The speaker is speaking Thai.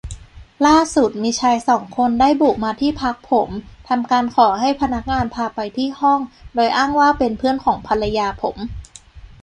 ล่าสุดมีชายสองคนได้บุกมาที่พักผม ทำการขอให้พนักงานพาไปที่ห้องโดยอ้างว่าเป็นเพื่อนของภรรยาผม